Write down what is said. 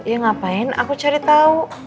iya ngapain aku cari tau